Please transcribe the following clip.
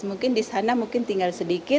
mungkin di sana mungkin tinggal sedikit